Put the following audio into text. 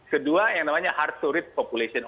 kedua yang namanya hard to rate population